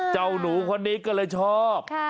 เจ้าหนูคนนี้ก็เลยชอบ